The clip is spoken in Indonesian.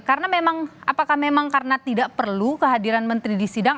karena memang apakah memang karena tidak perlu kehadiran menteri di sidang